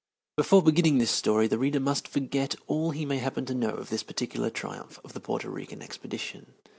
Before beginning this story the reader must forget all he may happen to know of this particular triumph of the Porto Rican Expedition.